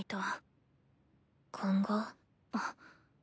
あっ。